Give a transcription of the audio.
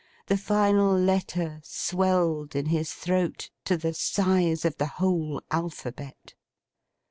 The final letter swelled in his throat, to the size of the whole alphabet.